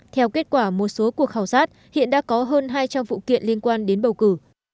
theo kết quả một số cuộc khảo sát hiện đã có hơn hai trăm linh vụ kiện liên quan đến bầu cử